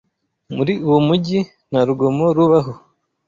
Muri uwo mujyi nta rugomo rubaho.